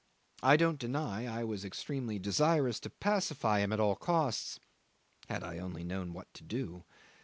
I don't deny I was extremely desirous to pacify him at all costs, had I only known what to do.